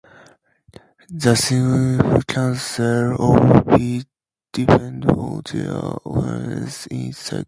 The significance of beats depends on their occurrence in a cycle.